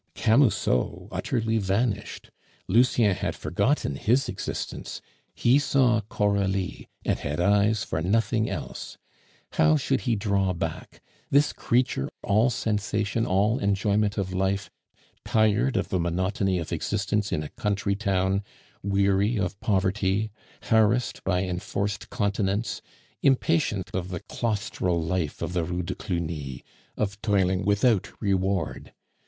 Camusot utterly vanished, Lucien had forgotten his existence, he saw Coralie, and had eyes for nothing else. How should he draw back this creature, all sensation, all enjoyment of life, tired of the monotony of existence in a country town, weary of poverty, harassed by enforced continence, impatient of the claustral life of the Rue de Cluny, of toiling without reward?